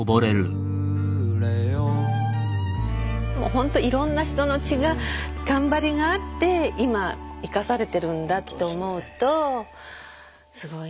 ほんといろんな人の血が頑張りがあって今生かされているんだって思うとすごいなあ。